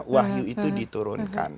wahyu itu diturunkan